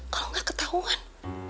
kalau gak ketahuan